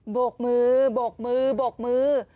บกมือบกมือบกมือ